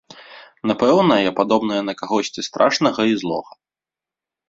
Напэўна, я падобная на кагосьці страшнага і злога.